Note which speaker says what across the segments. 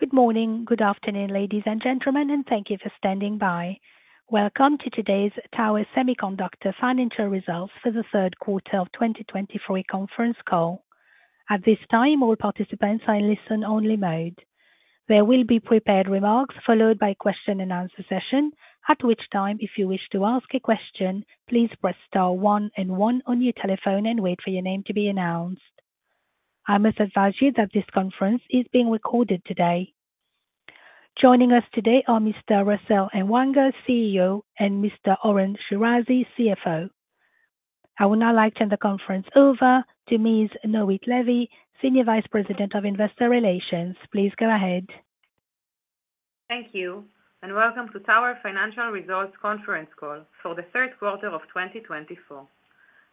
Speaker 1: Good morning, good afternoon, ladies and gentlemen, and thank you for standing by. Welcome to today's Tower Semiconductor financial results for the third quarter of 2023 conference call. At this time, all participants are in listen-only mode. There will be prepared remarks followed by a question-and-answer session, at which time, if you wish to ask a question, please press star one and one on your telephone and wait for your name to be announced. I must advise you that this conference is being recorded today. Joining us today are Mr. Russell Ellwanger, CEO, and Mr. Oren Shirazi, CFO. I will now turn the conference over to Ms. Noit Levy, Senior Vice President of Investor Relations. Please go ahead.
Speaker 2: Thank you, and welcome to Tower Financial Results conference call for the third quarter of 2024.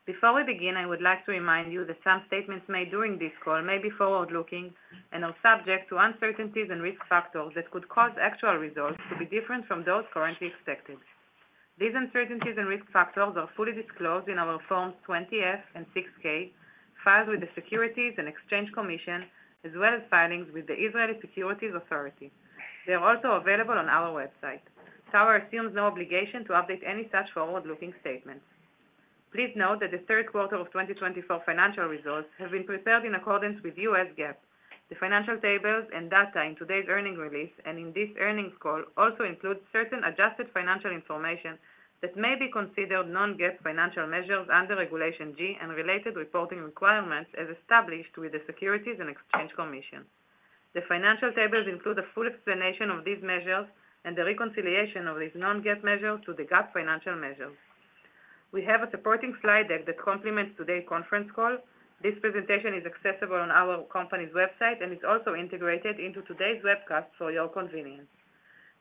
Speaker 2: Before we begin, I would like to remind you that some statements made during this call may be forward-looking and are subject to uncertainties and risk factors that could cause actual results to be different from those currently expected. These uncertainties and risk factors are fully disclosed in our Forms 20-F and 6-K, filed with the Securities and Exchange Commission, as well as filings with the Israeli Securities Authority. They are also available on our website. Tower assumes no obligation to update any such forward-looking statements. Please note that the third quarter of 2024 financial results have been prepared in accordance with U.S. GAAP. The financial tables and data in today's earnings release and in this earnings call also include certain adjusted financial information that may be considered non-GAAP financial measures under Regulation G and related reporting requirements as established with the Securities and Exchange Commission. The financial tables include a full explanation of these measures and the reconciliation of these non-GAAP measures to the GAAP financial measures. We have a supporting slide deck that complements today's conference call. This presentation is accessible on our company's website and is also integrated into today's webcast for your convenience.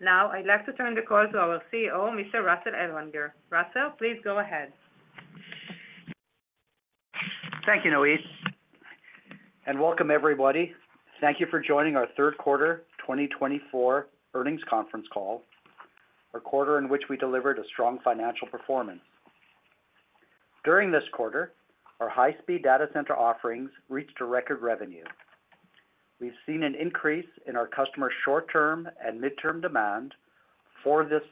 Speaker 2: Now, I'd like to turn the call to our CEO, Mr. Russell Ellwanger. Russell, please go ahead.
Speaker 3: Thank you, Noit, and welcome everybody. Thank you for joining our third quarter 2024 earnings conference call, a quarter in which we delivered a strong financial performance. During this quarter, our high-speed data center offerings reached a record revenue. We've seen an increase in our customers' short-term and midterm demand for this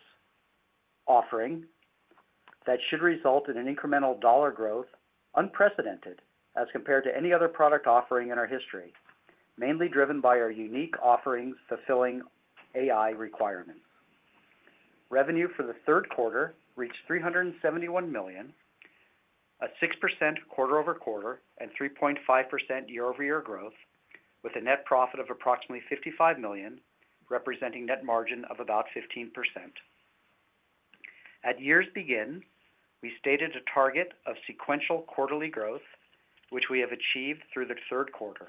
Speaker 3: offering that should result in an incremental dollar growth unprecedented as compared to any other product offering in our history, mainly driven by our unique offerings fulfilling AI requirements. Revenue for the third quarter reached $371 million, a 6% quarter-over-quarter and 3.5% year-over-year growth, with a net profit of approximately $55 million, representing a net margin of about 15%. At year's beginning, we stated a target of sequential quarterly growth, which we have achieved through the third quarter.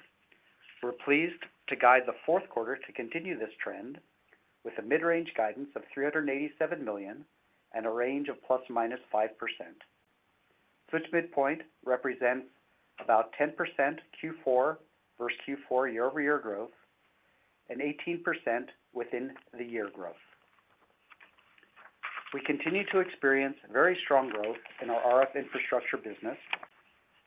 Speaker 3: We're pleased to guide the fourth quarter to continue this trend with a mid-range guidance of $387 million and a range of ±5%. This midpoint represents about 10% Q4 versus Q4 year-over-year growth and 18% within-the-year growth. We continue to experience very strong growth in our RF infrastructure business,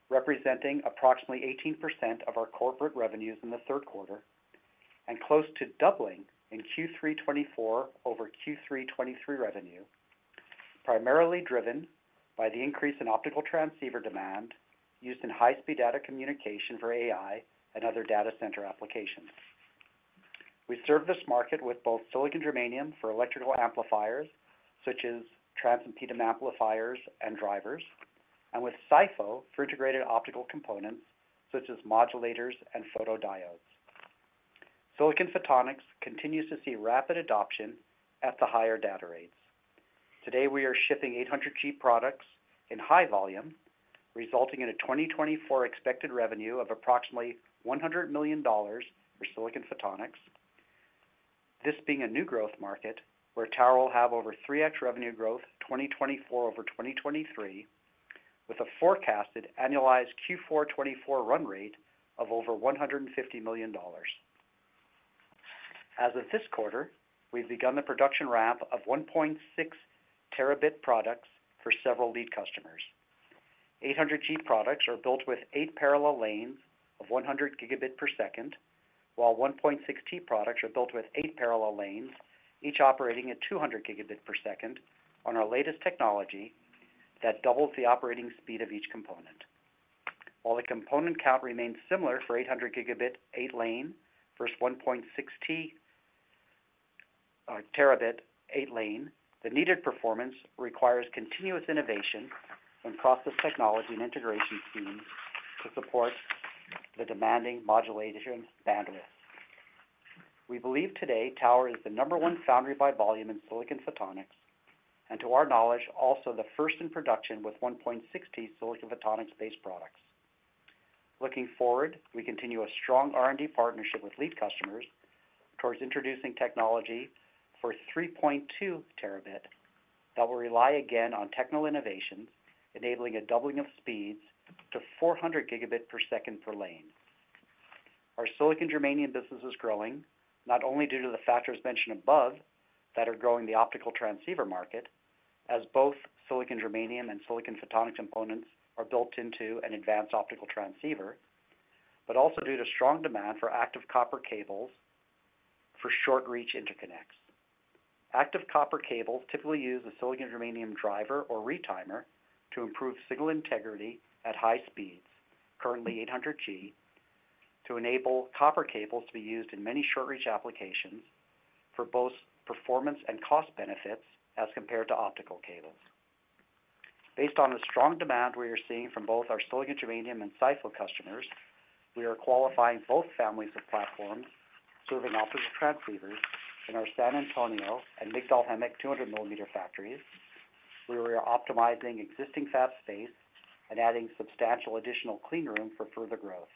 Speaker 3: representing approximately 18% of our corporate revenues in the third quarter and close to doubling in Q3 2024 over Q3 2023 revenue, primarily driven by the increase in optical transceiver demand used in high-speed data communication for AI and other data center applications. We serve this market with both Silicon Germanium for electrical amplifiers such as transimpedance amplifiers and drivers, and with SiPho for integrated optical components such as modulators and photodiodes. Silicon Photonics continues to see rapid adoption at the higher data rates. Today, we are shipping 800G products in high volume, resulting in a 2024 expected revenue of approximately $100 million for Silicon Photonics, this being a new growth market where Tower will have over 3x revenue growth 2024 over 2023, with a forecasted annualized Q4 2024 run rate of over $150 million. As of this quarter, we've begun the production ramp of 1.6 Tb products for several lead customers. 800G products are built with eight parallel lanes of 100 Gbps, while 1.6T products are built with eight parallel lanes, each operating at 200 Gbps on our latest technology that doubles the operating speed of each component. While the component count remains similar for 800 Gbps eight-lane versus 1.6T eight-lane, the needed performance requires continuous innovation and process technology and integration schemes to support the demanding modulation bandwidth. We believe today Tower is the number one foundry by volume in Silicon Photonics, and to our knowledge, also the first in production with 1.6T Silicon Photonics-based products. Looking forward, we continue a strong R&D partnership with lead customers towards introducing technology for 3.2 Tb that will rely again on technical innovations, enabling a doubling of speeds to 400 Gbps per lane. Our Silicon Germanium business is growing not only due to the factors mentioned above that are growing the optical transceiver market, as both Silicon Germanium and Silicon Photonics components are built into an advanced optical transceiver, but also due to strong demand for active copper cables for short-reach interconnects. Active copper cables typically use a Silicon Germanium driver or retimer to improve signal integrity at high speeds, currently 800G, to enable copper cables to be used in many short-reach applications for both performance and cost benefits as compared to optical cables. Based on the strong demand we are seeing from both our Silicon Germanium and SiPho customers, we are qualifying both families of platforms serving optical transceivers in our San Antonio and Migdal Haemek 200 mm factories, where we are optimizing existing fab space and adding substantial additional clean room for further growth.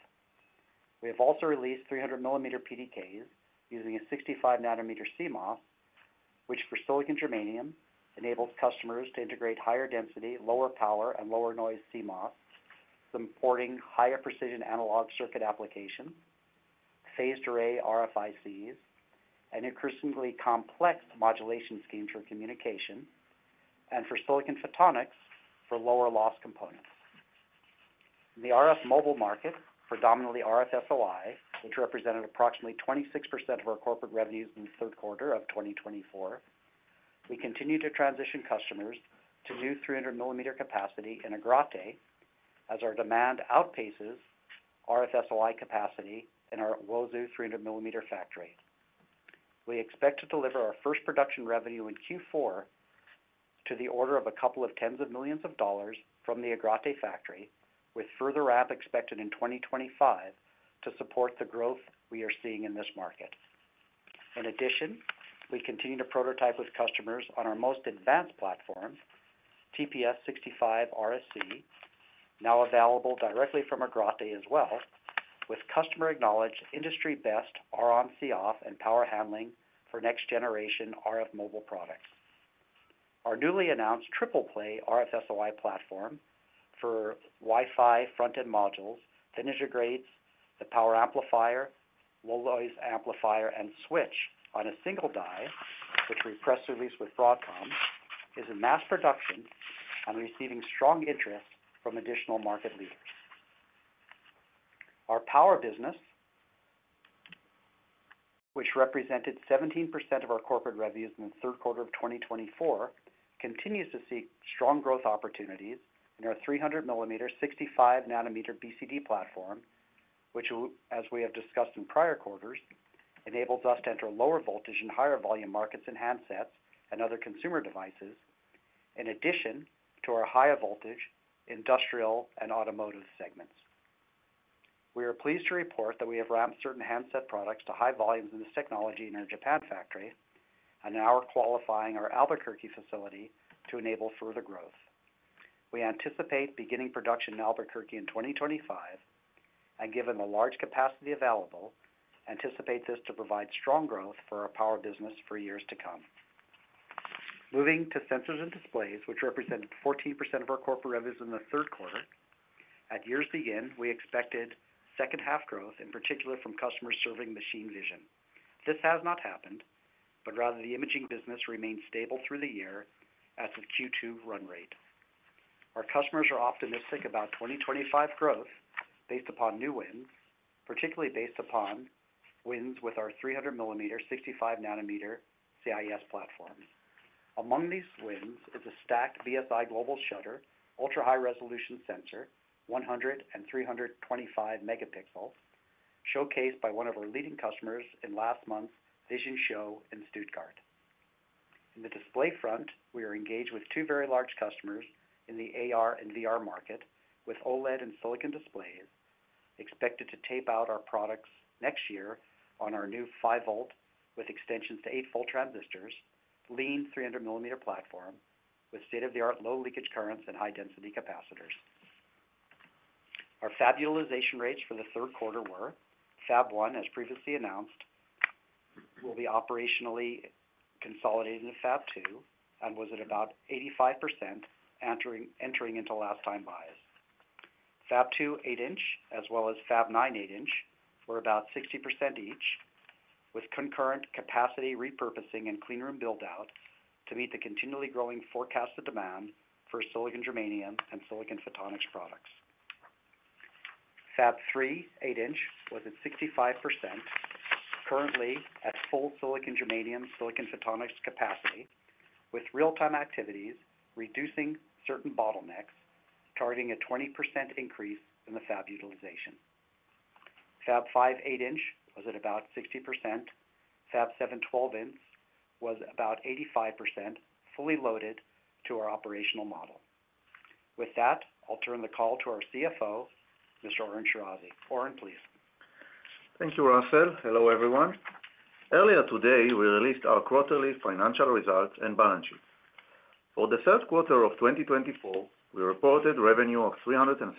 Speaker 3: We have also released 300 mm PDKs using a 65 nm CMOS, which for Silicon Germanium enables customers to integrate higher density, lower power, and lower noise CMOS, supporting higher precision analog circuit applications, phased array RFICs, and increasingly complex modulation schemes for communication, and for Silicon Photonics for lower loss components. In the RF mobile market, predominantly RF-SOI, which represented approximately 26% of our corporate revenues in the third quarter of 2024, we continue to transition customers to new 300 mm capacity in Agrate as our demand outpaces RF-SOI capacity in our Uozu 300 mm factory. We expect to deliver our first production revenue in Q4 to the order of a couple of tens of millions of dollars from the Agrate factory, with further ramp expected in 2025 to support the growth we are seeing in this market. In addition, we continue to prototype with customers on our most advanced platform, TPS65RS, now available directly from Agrate as well, with customer-acknowledged industry-best Ron x Coff and power handling for next-generation RF mobile products. Our newly announced Triple Play RF-SOI platform for Wi-Fi front-end modules that integrates the power amplifier, low-noise amplifier, and switch on a single die, which we press release with Broadcom, is in mass production and receiving strong interest from additional market leaders. Our power business, which represented 17% of our corporate revenues in the third quarter of 2024, continues to seek strong growth opportunities in our 300 mm 65 nm BCD platform, which, as we have discussed in prior quarters, enables us to enter lower voltage and higher volume markets in handsets and other consumer devices, in addition to our higher voltage industrial and automotive segments. We are pleased to report that we have ramped certain handset products to high volumes in this technology in our Japan factory and now are qualifying our Albuquerque facility to enable further growth. We anticipate beginning production in Albuquerque in 2025, and given the large capacity available, anticipate this to provide strong growth for our power business for years to come. Moving to sensors and displays, which represented 14% of our corporate revenues in the third quarter, at year's beginning, we expected second-half growth, in particular from customers serving machine vision. This has not happened, but rather the imaging business remained stable through the year as of Q2 run rate. Our customers are optimistic about 2025 growth based upon new wins, particularly based upon wins with our 300 mm 65 nm CIS platforms. Among these wins is a stacked BSI global shutter ultra-high resolution sensor, 100 and 325 megapixels, showcased by one of our leading customers in last month's VISION show in Stuttgart. In the display front, we are engaged with two very large customers in the AR and VR market, with OLED on silicon displays expected to tape out our products next year on our new 5-volt with extensions to 8-volt transistors, lean 300 mm platform with state-of-the-art low-leakage currents and high-density capacitors. Our fab utilization rates for the third quarter were Fab 1, as previously announced, will be operationally consolidating to Fab 2 and was at about 85% entering into last-time buys. Fab 2, 8 in, as well as Fab 9, 8 in, were about 60% each, with concurrent capacity repurposing and clean room buildout to meet the continually growing forecasted demand for Silicon Germanium and Silicon Photonics products. Fab 3, 8 in was at 65%, currently at full Silicon Germanium/Silicon Photonics capacity, with real-time activities reducing certain bottlenecks, targeting a 20% increase in the fab utilization. Fab 5, 8 in was at about 60%. Fab 7, 12 in was about 85% fully loaded to our operational model. With that, I'll turn the call to our CFO, Mr. Oren Shirazi. Oren, please.
Speaker 4: Thank you, Russell. Hello, everyone. Earlier today, we released our quarterly financial results and balance sheets. For the third quarter of 2024, we reported revenue of $371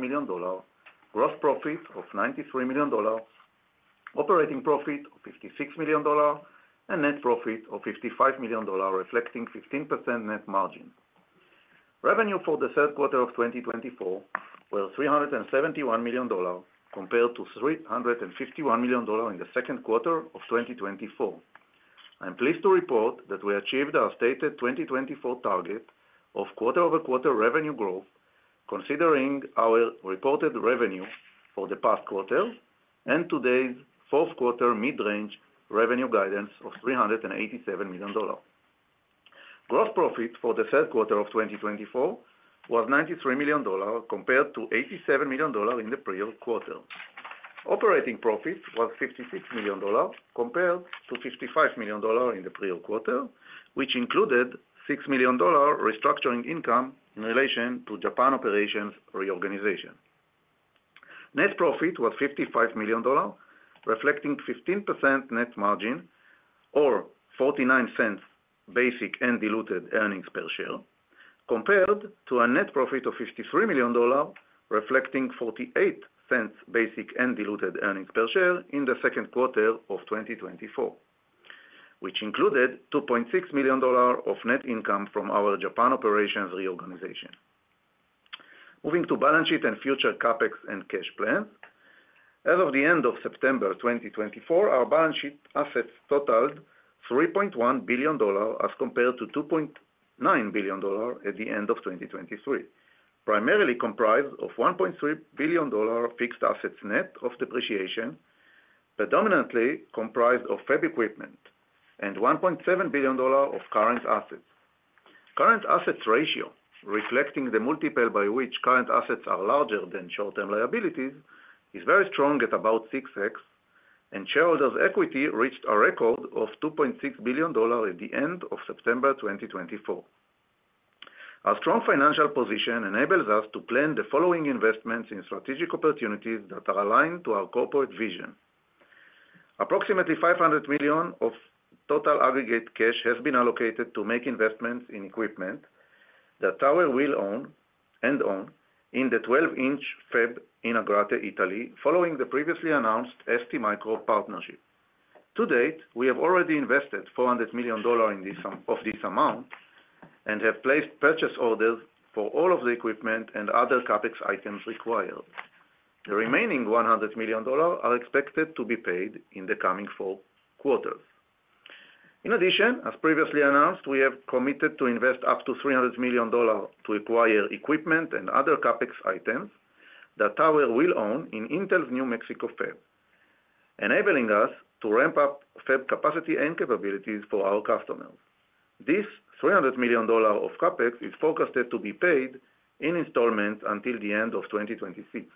Speaker 4: million, gross profit of $93 million, operating profit of $56 million, and net profit of $55 million, reflecting 15% net margin. Revenue for the third quarter of 2024 was $371 million, compared to $351 million in the second quarter of 2024. I'm pleased to report that we achieved our stated 2024 target of quarter-over-quarter revenue growth, considering our reported revenue for the past quarter and today's fourth quarter mid-range revenue guidance of $387 million. Gross profit for the third quarter of 2024 was $93 million, compared to $87 million in the prior quarter. Operating profit was $56 million, compared to $55 million in the prior quarter, which included $6 million restructuring income in relation to Japan operations reorganization. Net profit was $55 million, reflecting 15% net margin or $0.49 basic and diluted earnings per share, compared to a net profit of $53 million, reflecting $0.48 basic and diluted earnings per share in the second quarter of 2024, which included $2.6 million of net income from our Japan operations reorganization. Moving to balance sheet and future CapEx and cash plans, as of the end of September 2024, our balance sheet assets totaled $3.1 billion as compared to $2.9 billion at the end of 2023, primarily comprised of $1.3 billion fixed assets net of depreciation, predominantly comprised of fab equipment, and $1.7 billion of current assets. Current assets ratio, reflecting the multiple by which current assets are larger than short-term liabilities, is very strong at about 6x, and shareholders' equity reached a record of $2.6 billion at the end of September 2024. Our strong financial position enables us to plan the following investments in strategic opportunities that are aligned to our corporate vision. Approximately $500 million of total aggregate cash has been allocated to make investments in equipment that Tower will own in the 12 in fab in Agrate, Italy, following the previously announced ST Micro partnership. To date, we have already invested $400 million of this amount and have placed purchase orders for all of the equipment and other CapEx items required. The remaining $100 million are expected to be paid in the coming four quarters. In addition, as previously announced, we have committed to invest up to $300 million to acquire equipment and other CapEx items that Tower will own in Intel's New Mexico fab, enabling us to ramp up fab capacity and capabilities for our customers. This $300 million of CapEx is forecasted to be paid in installments until the end of 2026.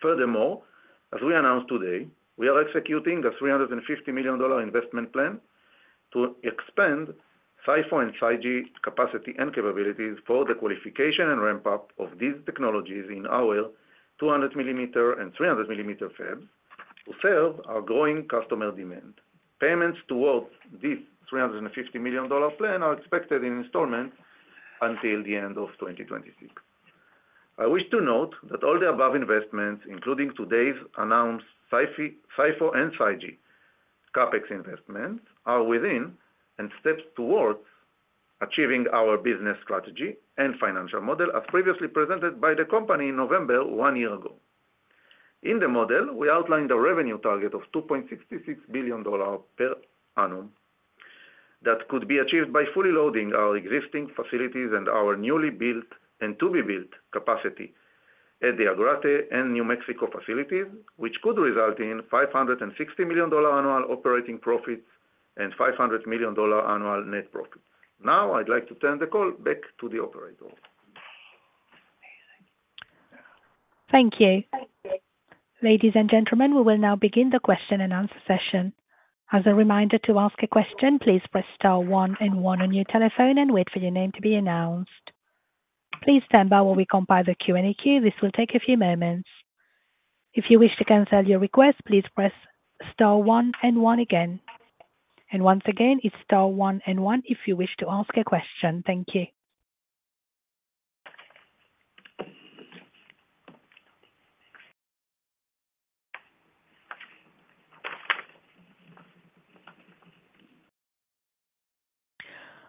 Speaker 4: Furthermore, as we announced today, we are executing a $350 million investment plan to expand SiPho and SiGe capacity and capabilities for the qualification and ramp-up of these technologies in our 200 mm and 300 mm fabs to serve our growing customer demand. Payments towards this $350 million plan are expected in installments until the end of 2026. I wish to note that all the above investments, including today's announced SiPho and SiGe CapEx investments, are within and steps towards achieving our business strategy and financial model as previously presented by the company in November one year ago. In the model, we outlined a revenue target of $2.66 billion per annum that could be achieved by fully loading our existing facilities and our newly built and to-be-built capacity at the Agrate and New Mexico facilities, which could result in $560 million annual operating profits and $500 million annual net profits. Now, I'd like to turn the call back to the operator.
Speaker 1: Thank you. Ladies and gentlemen, we will now begin the question-and-answer session. As a reminder to ask a question, please press star one and one on your telephone and wait for your name to be announced. Please stand by while we compile the Q&A queue. This will take a few moments. If you wish to cancel your request, please press star one and one again, and once again, it's star one and one if you wish to ask a question. Thank you.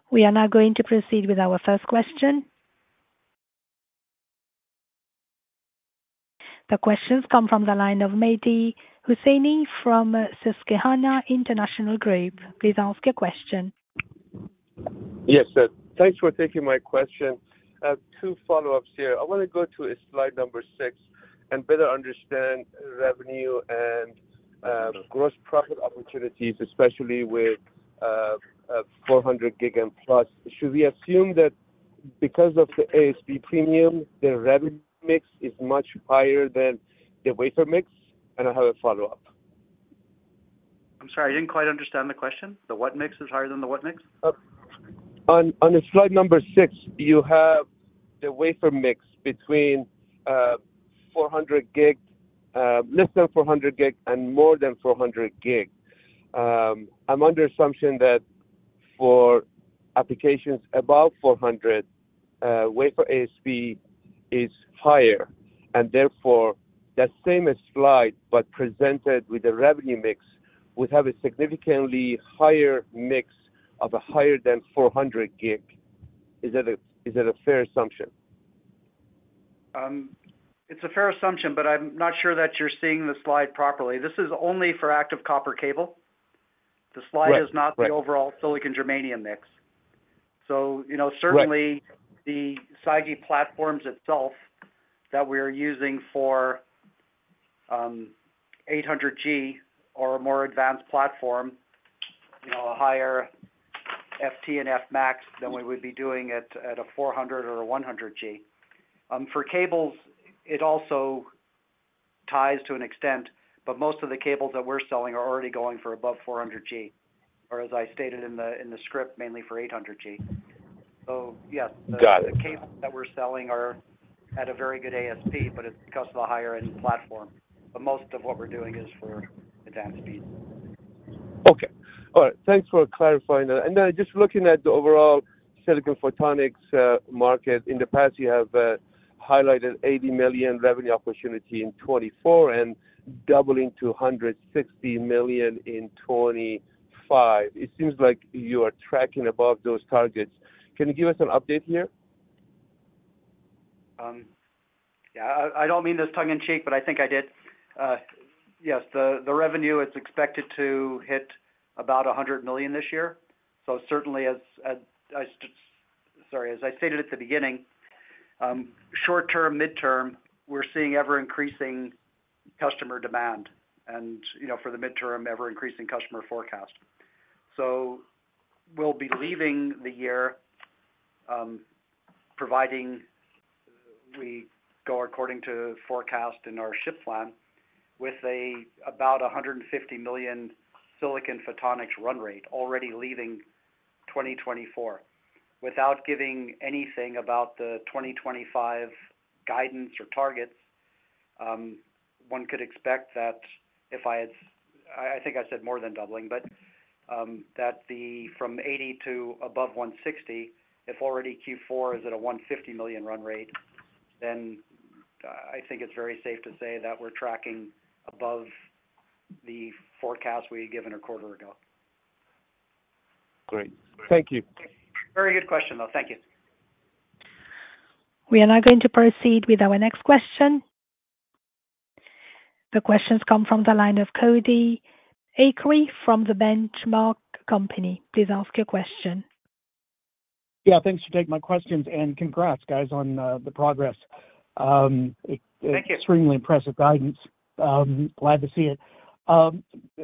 Speaker 1: We are now going to proceed with our first question. The questions come from the line of Mehdi Hosseini from Susquehanna International Group. Please ask your question.
Speaker 5: Yes, sir. Thanks for taking my question. Two follow-ups here. I want to go to slide number six and better understand revenue and gross profit opportunities, especially with 400 Gbps and plus. Should we assume that because of the ASP premium, the revenue mix is much higher than the wafer mix? And I have a follow-up.
Speaker 3: I'm sorry. I didn't quite understand the question. The what mix is higher than the what mix?
Speaker 5: On slide number six, you have the wafer mix between less than 400 Gbps and more than 400 Gbps. I'm under the assumption that for applications above 400 Gbps, wafer ASP is higher. And therefore, that same slide, but presented with a revenue mix, would have a significantly higher mix of a higher than 400 Gbps. Is that a fair assumption?
Speaker 3: It's a fair assumption, but I'm not sure that you're seeing the slide properly. This is only for active copper cable. The slide is not the overall silicon germanium mix. So certainly, the SiGe platforms itself that we are using for 800G or a more advanced platform, a higher Ft and Fmax than we would be doing at a 400G or a 100G. For cables, it also ties to an extent, but most of the cables that we're selling are already going for above 400G, or as I stated in the script, mainly for 800G. So yes, the cables that we're selling are at a very good ASP, but it's because of the higher-end platform. But most of what we're doing is for advanced speed.
Speaker 5: Okay. All right. Thanks for clarifying that. And then just looking at the overall silicon photonics market, in the past, you have highlighted $80 million revenue opportunity in 2024 and doubling to $160 million in 2025. It seems like you are tracking above those targets. Can you give us an update here?
Speaker 3: Yeah. I don't mean this tongue-in-cheek, but I think I did. Yes, the revenue is expected to hit about $100 million this year. So certainly, sorry, as I stated at the beginning, short-term, midterm, we're seeing ever-increasing customer demand and for the midterm, ever-increasing customer forecast. So we'll be leaving the year providing we go according to forecast in our ship plan with about $150 million silicon photonics run rate already leaving 2024. Without giving anything about the 2025 guidance or targets, one could expect that if I had, I think I said more than doubling, but that from $80 to above $160, if already Q4 is at a $150 million run rate, then I think it's very safe to say that we're tracking above the forecast we gave a quarter ago.
Speaker 5: Great. Thank you.
Speaker 3: Very good question, though. Thank you.
Speaker 1: We are now going to proceed with our next question. The questions come from the line of Cody Acree from The Benchmark Company. Please ask your question.
Speaker 6: Yeah. Thanks for taking my questions. And congrats, guys, on the progress.
Speaker 3: Thank you.
Speaker 6: Extremely impressive guidance. Glad to see it.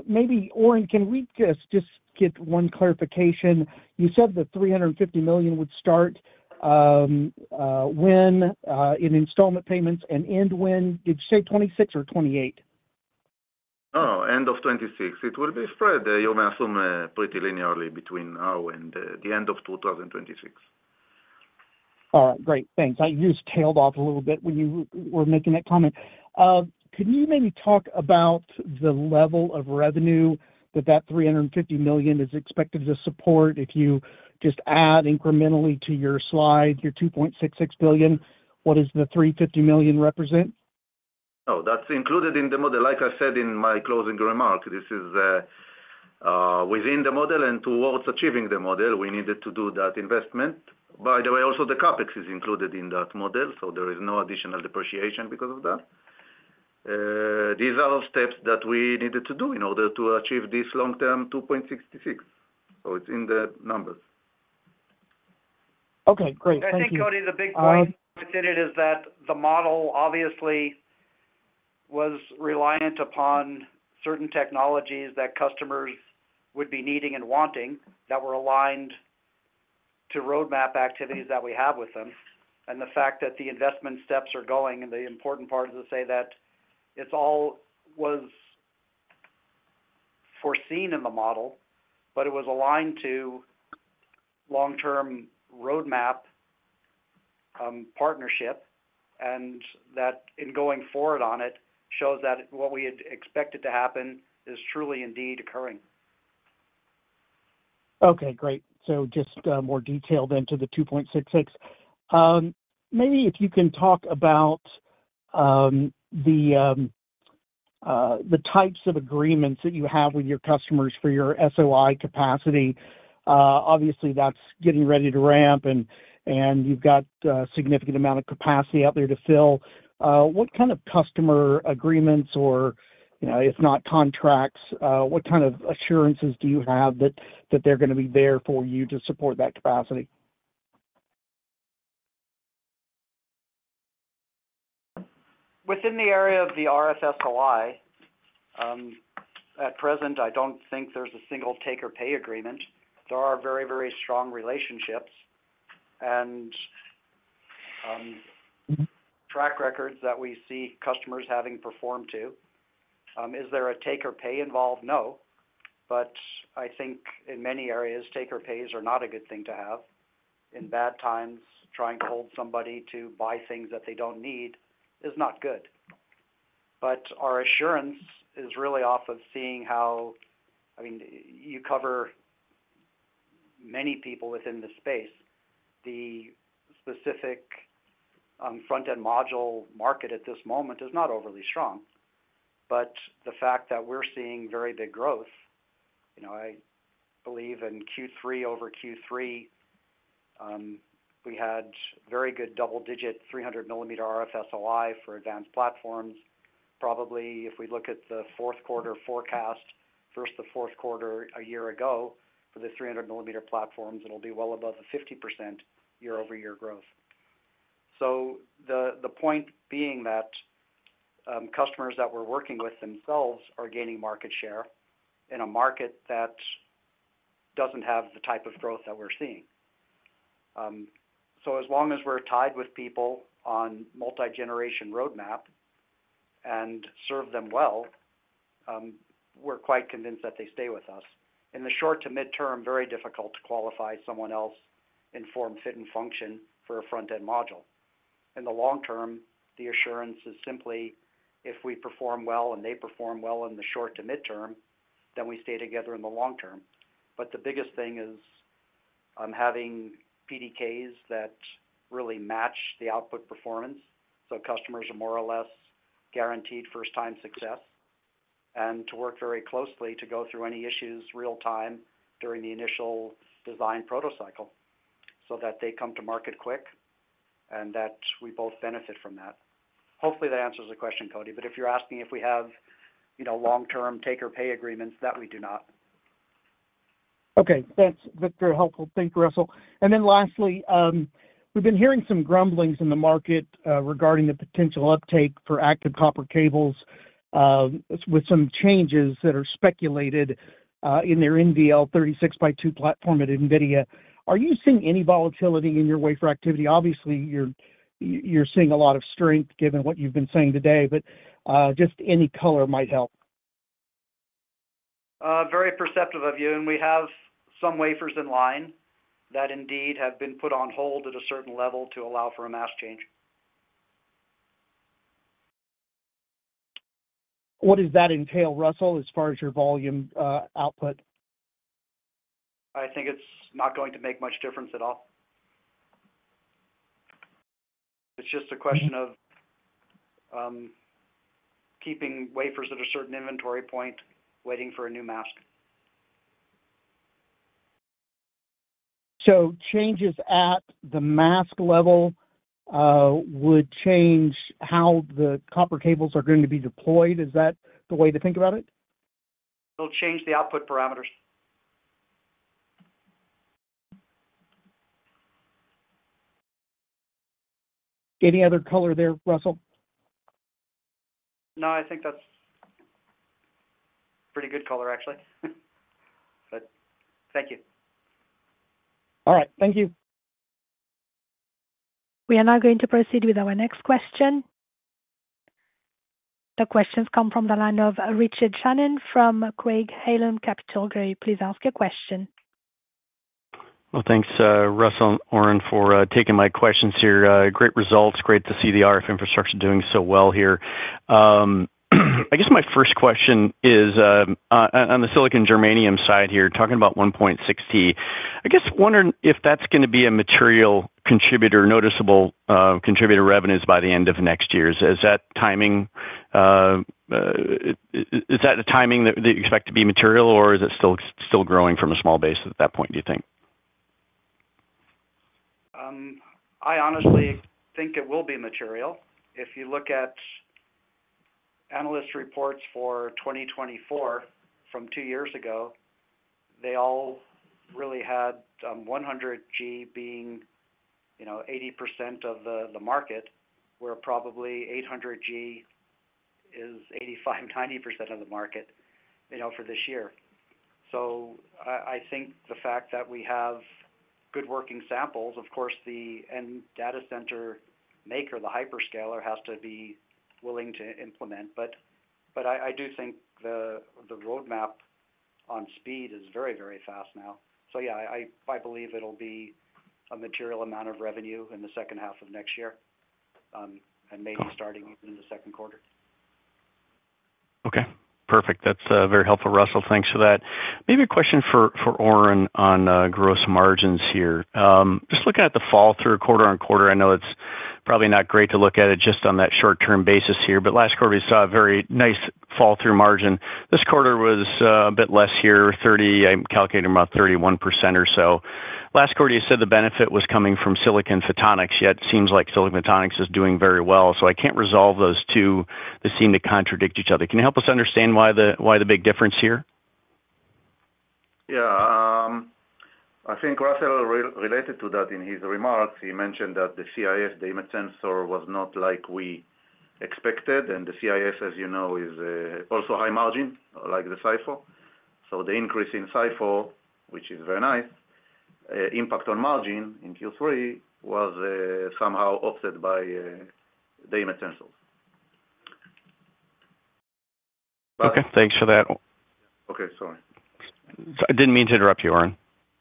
Speaker 6: Maybe, Oren, can we just get one clarification? You said the $350 million would start when in installment payments and end when? Did you say 2026 or 2028?
Speaker 4: Oh, end of 2026. It will be spread. You may assume pretty linearly between now and the end of 2026.
Speaker 6: All right. Great. Thanks. I just tailed off a little bit when you were making that comment. Can you maybe talk about the level of revenue that that $350 million is expected to support if you just add incrementally to your slide, your $2.66 billion? What does the $350 million represent?
Speaker 4: Oh, that's included in the model. Like I said in my closing remark, this is within the model and towards achieving the model. We needed to do that investment. By the way, also the CapEx is included in that model, so there is no additional depreciation because of that. These are steps that we needed to do in order to achieve this long-term $2.66 billion. So it's in the numbers.
Speaker 6: Okay. Great. Thank you.
Speaker 3: I think, Cody, the big point I want to say is that the model obviously was reliant upon certain technologies that customers would be needing and wanting that were aligned to roadmap activities that we have with them, and the fact that the investment steps are going and the important part is to say that it all was foreseen in the model, but it was aligned to long-term roadmap partnership, and that in going forward on it shows that what we had expected to happen is truly indeed occurring.
Speaker 6: Okay. Great. So just more detail then to the $2.66 billion. Maybe if you can talk about the types of agreements that you have with your customers for your SOI capacity. Obviously, that's getting ready to ramp, and you've got a significant amount of capacity out there to fill. What kind of customer agreements or, if not contracts, what kind of assurances do you have that they're going to be there for you to support that capacity?
Speaker 3: Within the area of the RF-SOI, at present, I don't think there's a single take-or-pay agreement. There are very, very strong relationships and track records that we see customers having performed to. Is there a take-or-pay involved? No. But I think in many areas, take-or-pays are not a good thing to have. In bad times, trying to hold somebody to buy things that they don't need is not good. But our assurance is really off of seeing how, I mean, you cover many people within the space. The specific front-end module market at this moment is not overly strong. But the fact that we're seeing very big growth, I believe in Q3 over Q3, we had very good double-digit 300 mm RF-SOI for advanced platforms. Probably if we look at the fourth quarter forecast, first the fourth quarter a year ago for the 300 mm platforms, it'll be well above the 50% year-over-year growth. So the point being that customers that we're working with themselves are gaining market share in a market that doesn't have the type of growth that we're seeing. So as long as we're tied with people on multi-generation roadmap and serve them well, we're quite convinced that they stay with us. In the short to midterm, very difficult to qualify someone else in form, fit, and function for a front-end module. In the long term, the assurance is simply if we perform well and they perform well in the short to midterm, then we stay together in the long term. But the biggest thing is having PDKs that really match the output performance so customers are more or less guaranteed first-time success and to work very closely to go through any issues real-time during the initial design proto cycle so that they come to market quick and that we both benefit from that. Hopefully, that answers the question, Cody. But if you're asking if we have long-term take-or-pay agreements, that we do not.
Speaker 6: Okay. That's very helpful. Thank you, Russell. And then lastly, we've been hearing some grumblings in the market regarding the potential uptake for active copper cables with some changes that are speculated in their NVL 36x2 platform at NVIDIA. Are you seeing any volatility in your wafer activity? Obviously, you're seeing a lot of strength given what you've been saying today, but just any color might help.
Speaker 3: Very perceptive of you. And we have some wafers in line that indeed have been put on hold at a certain level to allow for a mass change.
Speaker 6: What does that entail, Russell, as far as your volume output?
Speaker 3: I think it's not going to make much difference at all. It's just a question of keeping wafers at a certain inventory point, waiting for a new mask.
Speaker 6: So changes at the mask level would change how the copper cables are going to be deployed. Is that the way to think about it?
Speaker 3: They'll change the output parameters.
Speaker 6: Any other color there, Russell?
Speaker 3: No, I think that's a pretty good color, actually. But thank you.
Speaker 6: All right. Thank you.
Speaker 1: We are now going to proceed with our next question. The questions come from the line of Richard Shannon from Craig-Hallum Capital Group. Please ask your question.
Speaker 7: Thanks, Russell, Oren, for taking my questions here. Great results. Great to see the RF infrastructure doing so well here. I guess my first question is on the silicon germanium side here, talking about 1.6T. I guess wondering if that's going to be a material contributor, noticeable contributor revenues by the end of next year. Is that timing? Is that a timing that you expect to be material, or is it still growing from a small base at that point, do you think?
Speaker 3: I honestly think it will be material. If you look at analyst reports for 2024 from two years ago, they all really had 100G being 80% of the market, where probably 800G is 85%-90% of the market for this year. So I think the fact that we have good working samples, of course, the end data center maker, the hyperscaler has to be willing to implement. But I do think the roadmap on speed is very, very fast now. So yeah, I believe it'll be a material amount of revenue in the second half of next year and maybe starting in the second quarter.
Speaker 7: Okay. Perfect. That's very helpful, Russell. Thanks for that. Maybe a question for Oren on gross margins here. Just looking at the fall-through quarter on quarter, I know it's probably not great to look at it just on that short-term basis here, but last quarter, we saw a very nice fall-through margin. This quarter was a bit less here, 30%. I'm calculating about 31% or so. Last quarter, you said the benefit was coming from silicon photonics, yet it seems like silicon photonics is doing very well. So I can't resolve those two. They seem to contradict each other. Can you help us understand why the big difference here?
Speaker 4: Yeah. I think Russell related to that in his remarks. He mentioned that the CIS, the image sensor, was not like we expected. And the CIS, as you know, is also high margin like the SiPho. So the increase in SiPho, which is very nice, impact on margin in Q3 was somehow offset by the image sensors.
Speaker 7: Okay. Thanks for that.
Speaker 4: Okay. Sorry.
Speaker 7: I didn't mean to interrupt you,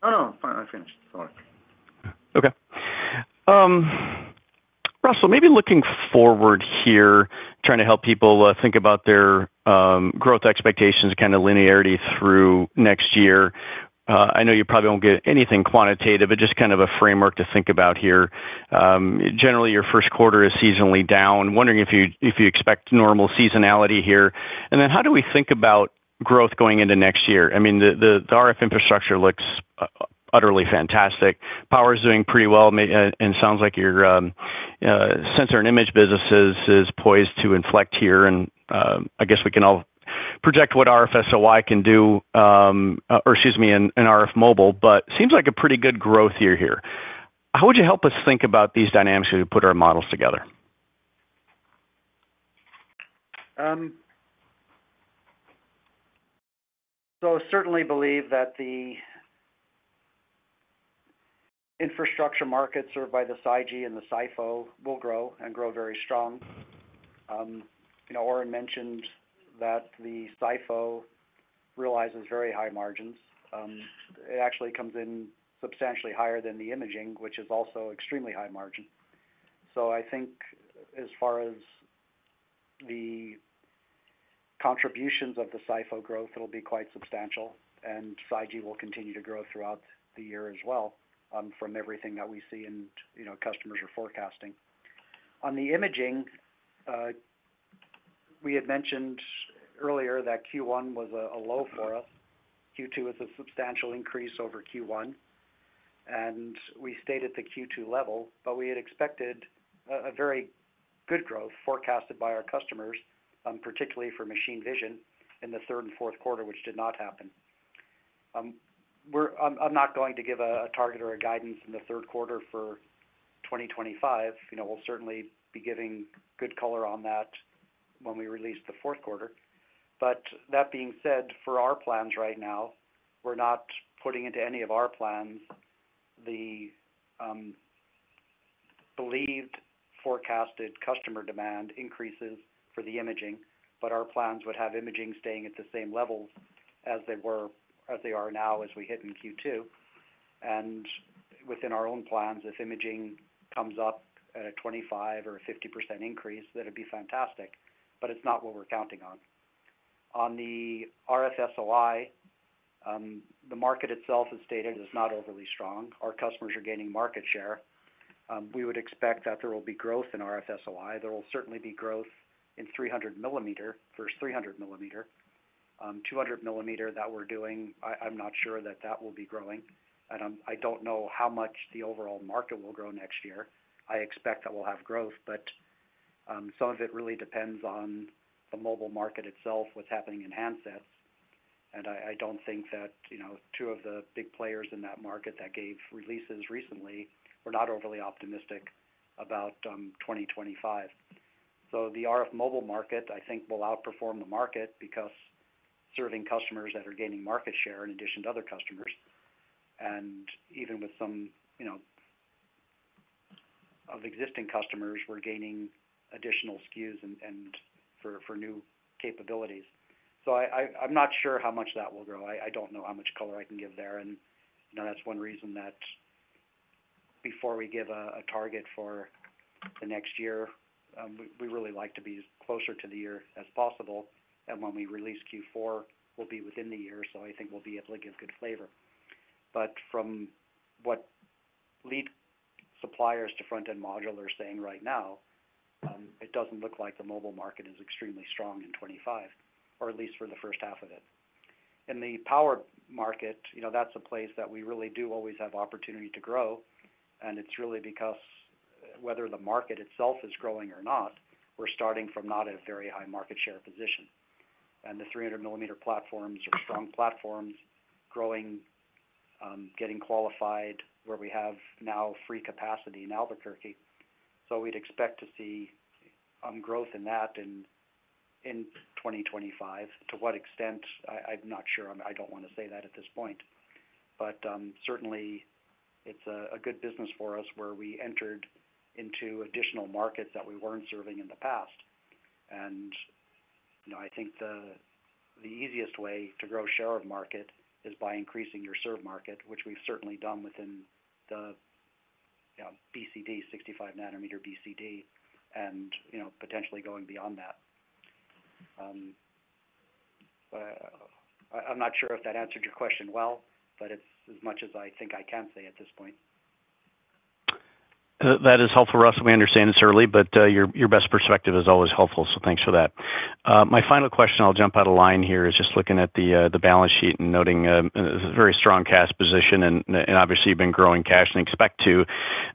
Speaker 7: Oren.
Speaker 4: No, no. I finished. Sorry.
Speaker 7: Okay. Russell, maybe looking forward here, trying to help people think about their growth expectations, kind of linearity through next year. I know you probably won't get anything quantitative, but just kind of a framework to think about here. Generally, your first quarter is seasonally down. Wondering if you expect normal seasonality here. And then how do we think about growth going into next year? I mean, the RF infrastructure looks utterly fantastic. Power is doing pretty well. And it sounds like your sensor and image business is poised to inflect here. And I guess we can all project what RF-SOI can do, or excuse me, and RF Mobile, but seems like a pretty good growth year here. How would you help us think about these dynamics as we put our models together?
Speaker 3: So I certainly believe that the infrastructure markets served by the SiGe and the SiPho will grow and grow very strong. Oren mentioned that the SiPho realizes very high margins. It actually comes in substantially higher than the imaging, which is also extremely high margin. So I think as far as the contributions of the SiPho growth, it'll be quite substantial. And SiGe will continue to grow throughout the year as well from everything that we see and customers are forecasting. On the imaging, we had mentioned earlier that Q1 was a low for us. Q2 is a substantial increase over Q1. And we stayed at the Q2 level, but we had expected a very good growth forecasted by our customers, particularly for machine vision in the third and fourth quarter, which did not happen. I'm not going to give a target or a guidance in the third quarter for 2025. We'll certainly be giving good color on that when we release the fourth quarter. But that being said, for our plans right now, we're not putting into any of our plans the believed forecasted customer demand increases for the imaging, but our plans would have imaging staying at the same levels as they are now as we hit in Q2. And within our own plans, if imaging comes up at a 25% or a 50% increase, that would be fantastic. But it's not what we're counting on. On the RF-SOI, the market itself is stated as not overly strong. Our customers are gaining market share. We would expect that there will be growth in RF-SOI. There will certainly be growth in 300 mm, first 300 mm. 200 mm that we're doing, I'm not sure that that will be growing. And I don't know how much the overall market will grow next year. I expect that we'll have growth, but some of it really depends on the mobile market itself, what's happening in handsets. And I don't think that two of the big players in that market that gave releases recently were not overly optimistic about 2025. So the RF Mobile market, I think, will outperform the market because serving customers that are gaining market share in addition to other customers. And even with some of existing customers, we're gaining additional SKUs and for new capabilities. So I'm not sure how much that will grow. I don't know how much color I can give there. And that's one reason that before we give a target for the next year, we really like to be as closer to the year as possible. And when we release Q4, we'll be within the year. So I think we'll be able to give good flavor. But from what lead suppliers to front-end module are saying right now, it doesn't look like the mobile market is extremely strong in 2025, or at least for the first half of it. In the power market, that's a place that we really do always have opportunity to grow. And it's really because whether the market itself is growing or not, we're starting from not a very high market share position. And the 300 mm platforms are strong platforms, growing, getting qualified where we have now free capacity in Albuquerque. So we'd expect to see growth in that in 2025. To what extent? I'm not sure. I don't want to say that at this point, but certainly, it's a good business for us where we entered into additional markets that we weren't serving in the past, and I think the easiest way to grow share of market is by increasing your served market, which we've certainly done within the BCD, 65 nm BCD, and potentially going beyond that. I'm not sure if that answered your question well, but it's as much as I think I can say at this point.
Speaker 7: That is helpful, Russell. We understand it's early, but your best perspective is always helpful. So thanks for that. My final question, I'll jump out of line here, is just looking at the balance sheet and noting a very strong cash position. And obviously, you've been growing cash and expect to,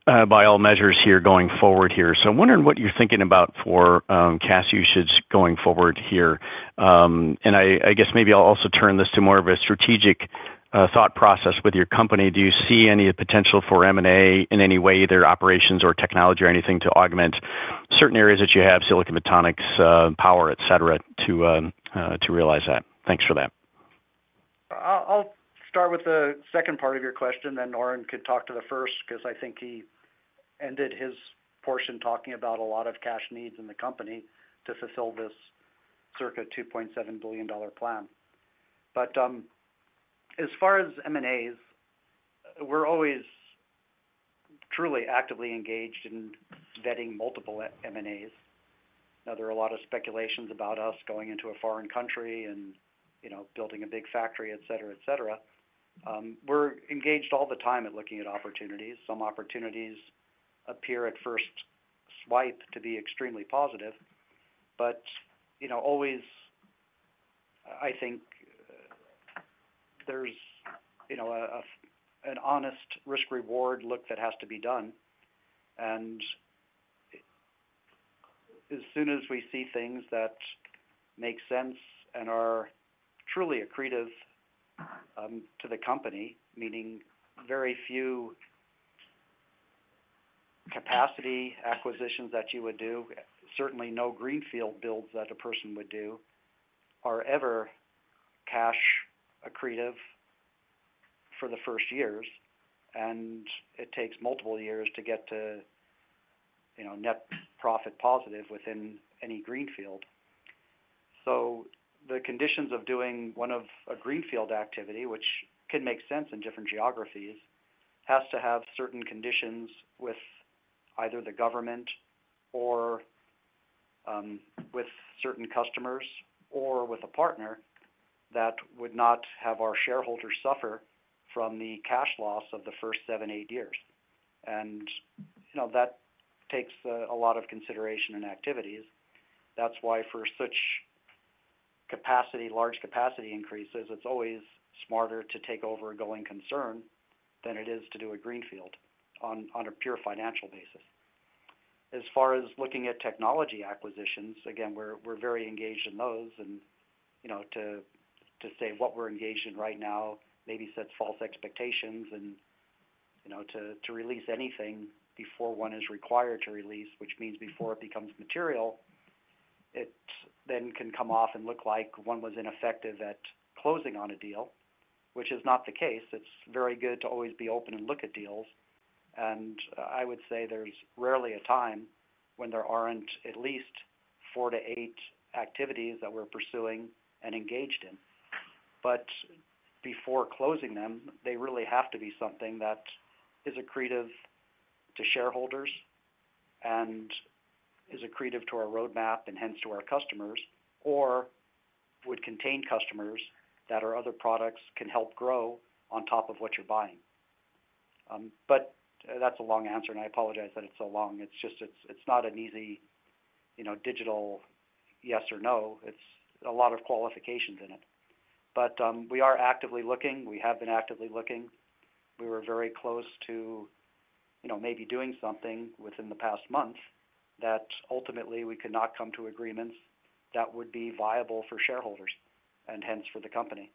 Speaker 7: by all measures here, going forward here. So I'm wondering what you're thinking about for cash usage going forward here. And I guess maybe I'll also turn this to more of a strategic thought process with your company. Do you see any potential for M&A in any way, either operations or technology or anything, to augment certain areas that you have, silicon photonics, power, etc., to realize that? Thanks for that.
Speaker 3: I'll start with the second part of your question, then Oren could talk to the first because I think he ended his portion talking about a lot of cash needs in the company to fulfill this circa $2.7 billion plan, but as far as M&As, we're always truly actively engaged in vetting multiple M&As. Now, there are a lot of speculations about us going into a foreign country and building a big factory, etc., etc. We're engaged all the time at looking at opportunities. Some opportunities appear at first swipe to be extremely positive, but always, I think there's an honest risk-reward look that has to be done. And as soon as we see things that make sense and are truly accretive to the company, meaning very few capacity acquisitions that you would do, certainly no greenfield builds that a person would do are ever cash accretive for the first years. And it takes multiple years to get to net profit positive within any greenfield. So the conditions of doing one of a greenfield activity, which can make sense in different geographies, has to have certain conditions with either the government or with certain customers or with a partner that would not have our shareholders suffer from the cash loss of the first seven, eight years. And that takes a lot of consideration and activities. That's why for such large capacity increases, it's always smarter to take over a going concern than it is to do a greenfield on a pure financial basis. As far as looking at technology acquisitions, again, we're very engaged in those. And to say what we're engaged in right now maybe sets false expectations and to release anything before one is required to release, which means before it becomes material, it then can come off and look like one was ineffective at closing on a deal, which is not the case. It's very good to always be open and look at deals. And I would say there's rarely a time when there aren't at least four to eight activities that we're pursuing and engaged in. But before closing them, they really have to be something that is accretive to shareholders and is accretive to our roadmap and hence to our customers or would contain customers that our other products can help grow on top of what you're buying. But that's a long answer, and I apologize that it's so long. It's just not an easy digital yes or no. It's a lot of qualifications in it. But we are actively looking. We have been actively looking. We were very close to maybe doing something within the past month that ultimately we could not come to agreements that would be viable for shareholders and hence for the company.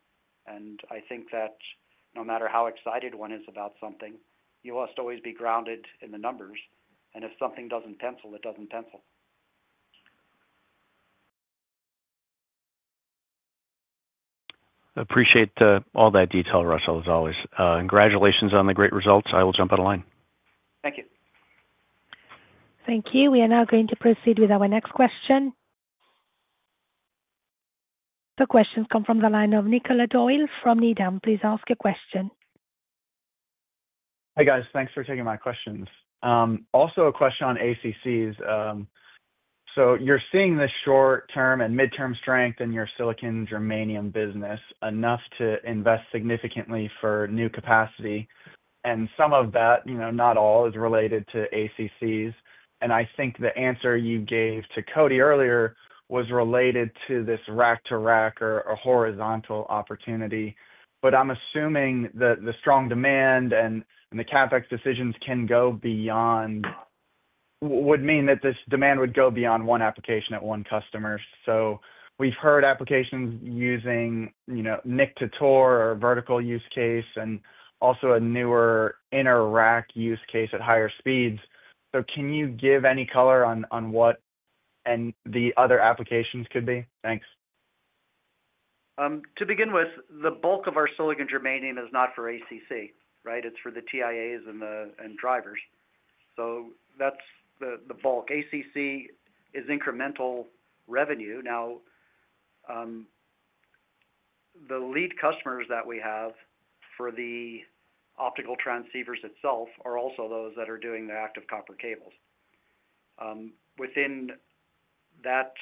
Speaker 3: And I think that no matter how excited one is about something, you must always be grounded in the numbers. And if something doesn't pencil, it doesn't pencil.
Speaker 7: Appreciate all that detail, Russell, as always. Congratulations on the great results. I will jump out of line.
Speaker 3: Thank you.
Speaker 1: Thank you. We are now going to proceed with our next question. The questions come from the line of Nick Doyle from Needham. Please ask a question.
Speaker 8: Hi guys. Thanks for taking my questions. Also a question on ACCs. So you're seeing the short-term and mid-term strength in your silicon germanium business enough to invest significantly for new capacity. And some of that, not all, is related to ACCs. And I think the answer you gave to Cody earlier was related to this rack-to-rack or horizontal opportunity. But I'm assuming that the strong demand and the CapEx decisions can go beyond would mean that this demand would go beyond one application at one customer. So we've heard applications using NIC-to-TOR or vertical use case and also a newer intra-rack use case at higher speeds. So can you give any color on what the other applications could be? Thanks.
Speaker 3: To begin with, the bulk of our silicon germanium is not for ACC, right? It's for the TIAs and drivers. So that's the bulk. ACC is incremental revenue. Now, the lead customers that we have for the optical transceivers itself are also those that are doing the active copper cables. Within that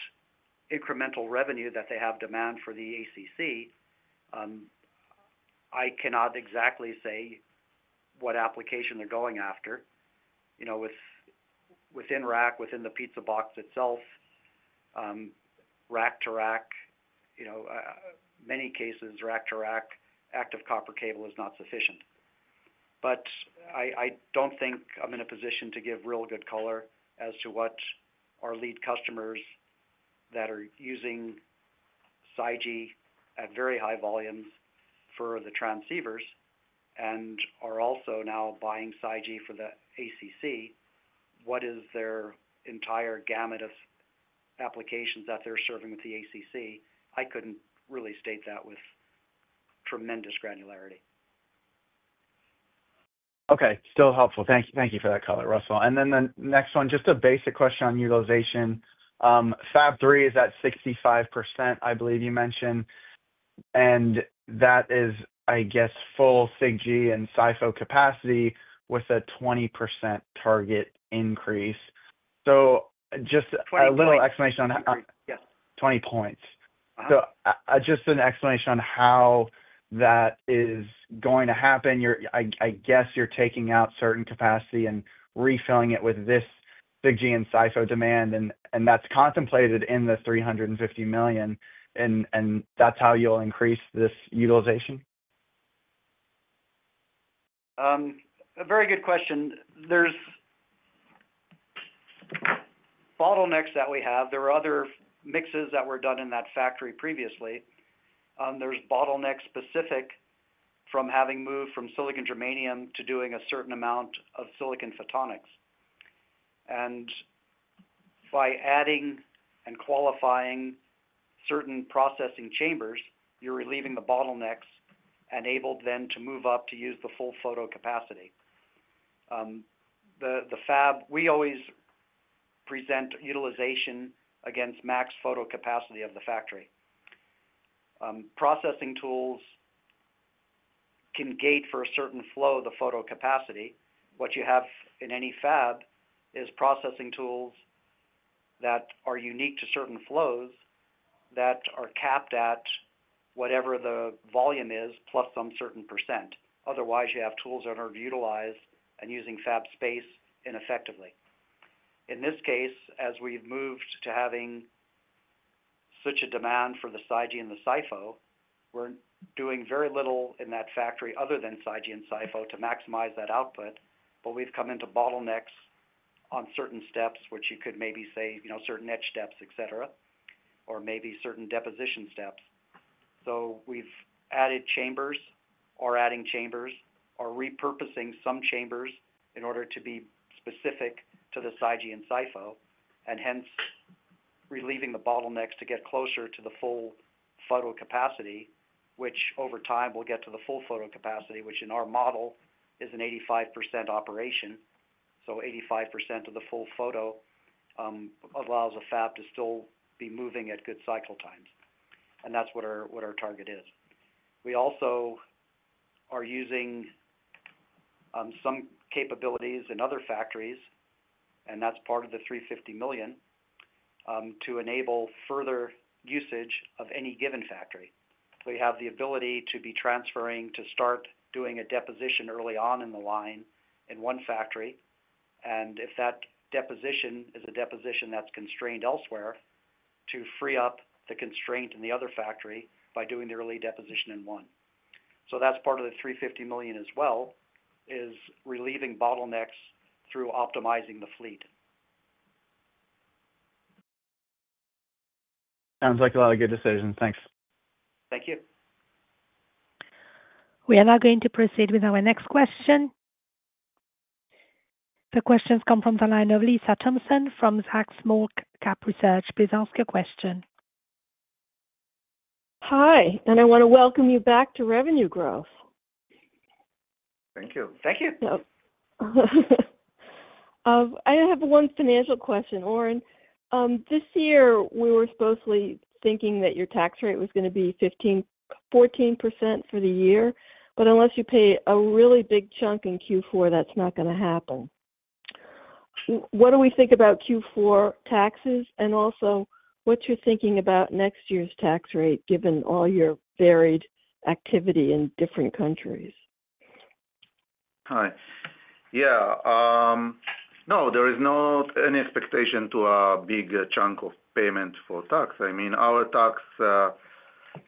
Speaker 3: incremental revenue that they have demand for the ACC, I cannot exactly say what application they're going after. Within rack, within the pizza box itself, rack-to-rack, many cases, rack-to-rack active copper cable is not sufficient. But I don't think I'm in a position to give real good color as to what our lead customers that are using SiGe at very high volumes for the transceivers and are also now buying SiGe for the ACC, what is their entire gamut of applications that they're serving with the ACC? I couldn't really state that with tremendous granularity.
Speaker 8: Okay. Still helpful. Thank you for that color, Russell, and then the next one, just a basic question on utilization. Fab 3 is at 65%, I believe you mentioned, and that is, I guess, full SiGe and SiPho capacity with a 20% target increase. So just an explanation on how that is going to happen. I guess you're taking out certain capacity and refilling it with this SiGe and SiPho demand, and that's contemplated in the $350 million. And that's how you'll increase this utilization?
Speaker 3: Very good question. There's bottlenecks that we have. There were other mixes that were done in that factory previously. There's bottlenecks specific from having moved from silicon germanium to doing a certain amount of silicon photonics. And by adding and qualifying certain processing chambers, you're relieving the bottlenecks and able then to move up to use the full photo capacity. We always present utilization against max photo capacity of the factory. Processing tools can gate for a certain flow of the photo capacity. What you have in any fab is processing tools that are unique to certain flows that are capped at whatever the volume is plus some certain percent. Otherwise, you have tools that are utilized and using fab space ineffectively. In this case, as we've moved to having such a demand for the SiGe and the SiPho, we're doing very little in that factory other than SiGe and SiPho to maximize that output. But we've come into bottlenecks on certain steps, which you could maybe say certain edge steps, etc., or maybe certain deposition steps, so we've added chambers or adding chambers or repurposing some chambers in order to be specific to the SiGe and SiPho and hence relieving the bottlenecks to get closer to the full photo capacity, which over time will get to the full photo capacity, which in our model is an 85% operation, so 85% of the full photo allows a fab to still be moving at good cycle times, and that's what our target is. We also are using some capabilities in other factories, and that's part of the $350 million to enable further usage of any given factory. So you have the ability to be transferring to start doing a deposition early on in the line in one factory. And if that deposition is a deposition that's constrained elsewhere, to free up the constraint in the other factory by doing the early deposition in one. So that's part of the $350 million as well, is relieving bottlenecks through optimizing the fleet.
Speaker 8: Sounds like a lot of good decisions. Thanks.
Speaker 3: Thank you.
Speaker 1: We are now going to proceed with our next question. The questions come from the line of Lisa Thompson from Zacks Small-Cap Research. Please ask your question.
Speaker 9: Hi. I want to welcome you back to Revenue Growth.
Speaker 3: Thank you. Thank you.
Speaker 9: I have one financial question, Oren. This year, we were supposedly thinking that your tax rate was going to be 14% for the year, but unless you pay a really big chunk in Q4, that's not going to happen. What do we think about Q4 taxes? And also, what's your thinking about next year's tax rate given all your varied activity in different countries?
Speaker 4: Hi. Yeah. No, there is no expectation to a big chunk of payment for tax. I mean, our tax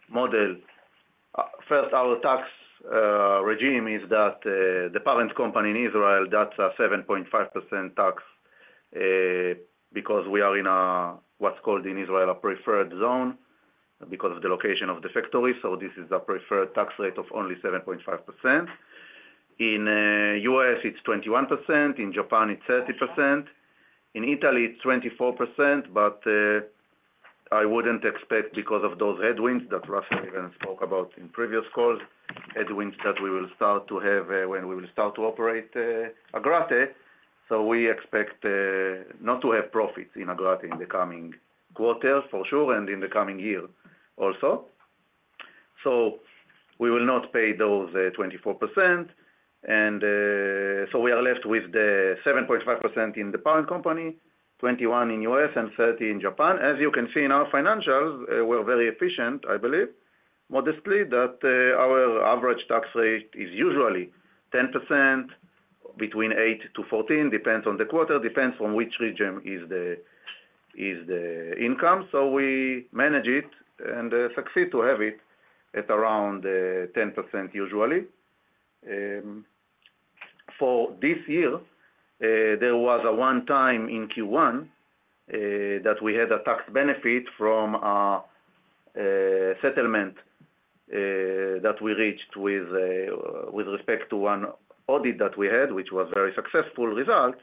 Speaker 4: model first, our tax regime is that the parent company in Israel, that's a 7.5% tax because we are in what's called in Israel a preferred zone because of the location of the factory, so this is a preferred tax rate of only 7.5%. In the U.S., it's 21%. In Japan, it's 30%. In Italy, it's 24%. But I wouldn't expect, because of those headwinds that Russell even spoke about in previous calls, headwinds that we will start to have when we will start to operate Agrate, so we expect not to have profits in Agrate in the coming quarter for sure and in the coming year also, so we will not pay those 24%. And so we are left with the 7.5% in the parent company, 21% in the U.S., and 30% in Japan. As you can see in our financials, we're very efficient, I believe, modestly, that our average tax rate is usually 10% between 8% to 14%, depends on the quarter, depends on which region is the income. So we manage it and succeed to have it at around 10% usually. For this year, there was a one-time in Q1 that we had a tax benefit from a settlement that we reached with respect to one audit that we had, which was very successful results.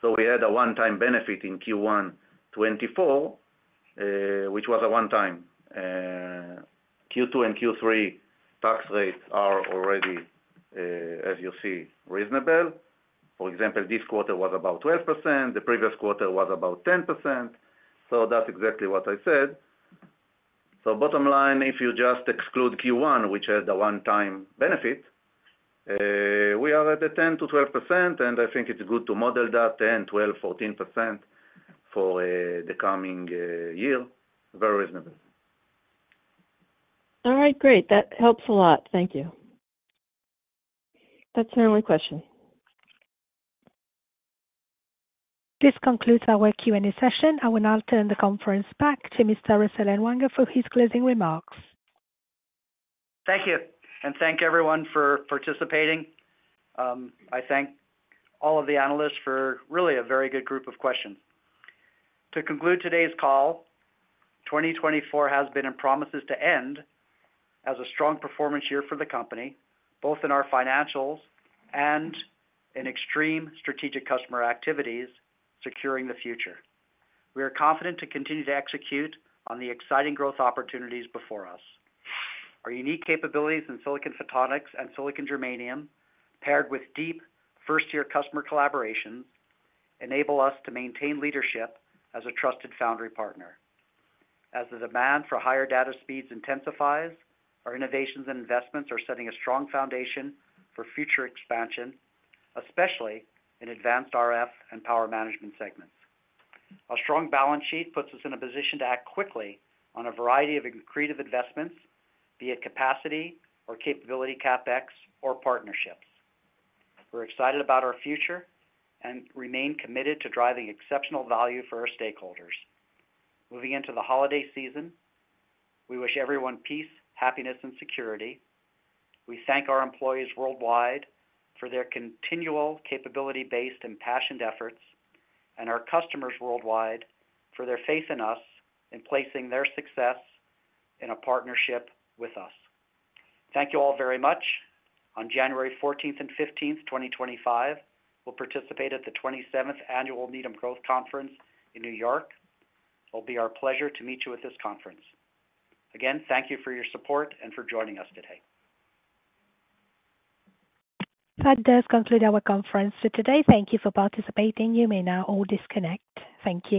Speaker 4: So we had a one-time benefit in Q1 2024, which was a one-time. Q2 and Q3 tax rates are already, as you see, reasonable. For example, this quarter was about 12%. The previous quarter was about 10%. So that's exactly what I said. So bottom line, if you just exclude Q1, which has the one-time benefit, we are at the 10% to 12%. And I think it's good to model that 10%, 12%, 14% for the coming year. Very reasonable.
Speaker 9: All right. Great. That helps a lot. Thank you. That's the only question.
Speaker 1: This concludes our Q&A session. I will now turn the conference back to Mr. Russell Ellwanger for his closing remarks.
Speaker 3: Thank you and thank everyone for participating. I thank all of the analysts for really a very good group of questions. To conclude today's call, 2024 has been and promises to end as a strong performance year for the company, both in our financials and in extensive strategic customer activities securing the future. We are confident to continue to execute on the exciting growth opportunities before us. Our unique capabilities in silicon photonics and silicon germanium, paired with deep first-hand customer collaborations, enable us to maintain leadership as a trusted foundry partner. As the demand for higher data speeds intensifies, our innovations and investments are setting a strong foundation for future expansion, especially in advanced RF and power management segments. A strong balance sheet puts us in a position to act quickly on a variety of creative investments, be it capacity or capability CapEx or partnerships. We're excited about our future and remain committed to driving exceptional value for our stakeholders. Moving into the holiday season, we wish everyone peace, happiness, and security. We thank our employees worldwide for their continual capability-based and passionate efforts and our customers worldwide for their faith in us and placing their success in a partnership with us. Thank you all very much. On January 14th and 15th, 2025, we'll participate at the 27th Annual Needham Growth Conference in New York. It'll be our pleasure to meet you at this conference. Again, thank you for your support and for joining us today.
Speaker 1: That does conclude our conference for today. Thank you for participating. You may now all disconnect. Thank you.